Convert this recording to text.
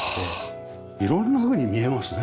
いろんなふうに見えますね。